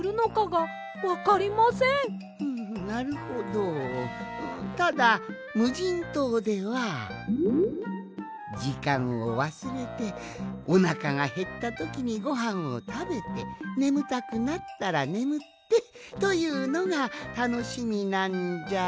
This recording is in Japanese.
ふむなるほどただむじんとうではじかんをわすれておなかがへったときにごはんをたべてねむたくなったらねむってというのがたのしみなんじゃが。